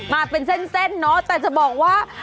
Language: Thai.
มาเป็นเส้นเนอะแต่จะบอกว่า